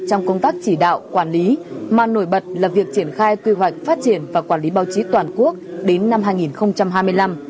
trong công tác chỉ đạo quản lý mà nổi bật là việc triển khai quy hoạch phát triển và quản lý báo chí toàn quốc đến năm hai nghìn hai mươi năm